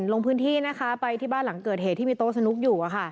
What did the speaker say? ลงพื้นที่นะคะไปที่บ้านหลังเกิดเหตุที่มีโต๊ะสนุกอยู่